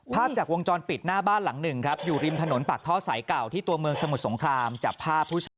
พาไปที่สมุดสงครามกันหน่อยครับ